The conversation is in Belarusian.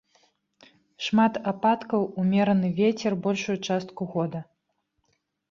Шмат ападкаў, умераны вецер большую частку года.